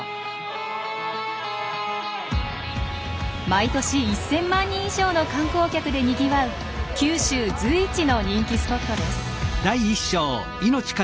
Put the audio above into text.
毎年１，０００万人以上の観光客でにぎわう九州随一の人気スポットです。